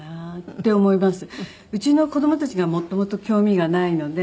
うちの子供たちが元々興味がないので。